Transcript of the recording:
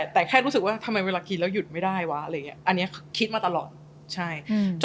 แต่แค่รู้สึกว่าทำไมเวลากินแล้วหยุดไม่ได้วะอะไรอย่างเงี้อันนี้คิดมาตลอดใช่อืม